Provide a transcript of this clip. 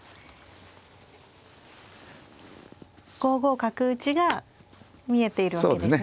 ５五角打が見えているわけですね。